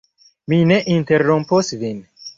Mi ne interrompos vin.